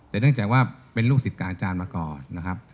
แต่เนื่องจากว่าเป็นลูกศิษย์อาจารย์มาก่อนนะครับ